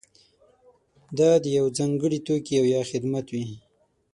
دا د یوه ځانګړي توکي او یا خدمت وي.